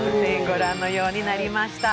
御覧のようになりました。